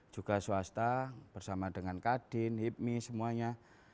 juga swasta bersama dengan kadin hipmi semuanya